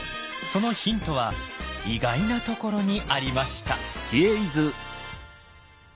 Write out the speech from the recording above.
そのヒントは意外なところにありました。